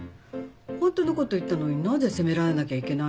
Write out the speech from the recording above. ホントのこと言ったのになぜ責められなきゃいけないのよ。